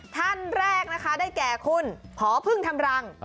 ท่านแรกนะคะได้แก่คุณพอพึ่งทำรัง